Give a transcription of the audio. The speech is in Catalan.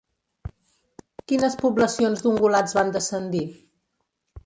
Quines poblacions d'ungulats van descendir?